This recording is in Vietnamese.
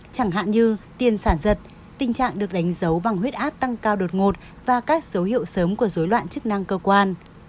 chẳng hạn như tiền sản giật tình trạng được đánh dấu bằng huyết áp tăng cao đột ngột và các dấu hiệu sớm của dối loạn chức năng cơ quan